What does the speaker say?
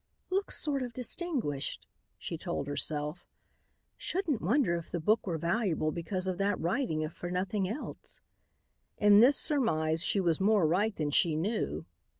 "Looks sort of distinguished," she told herself. "Shouldn't wonder if the book were valuable because of that writing if for nothing else." In this surmise she was more right than she knew.